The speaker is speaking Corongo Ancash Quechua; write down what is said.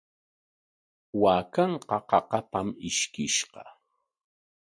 Waakanqa qaqapam ishkiskishqa.